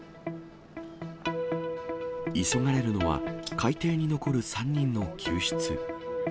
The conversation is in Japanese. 急がれるのは、海底に残る３人の救出。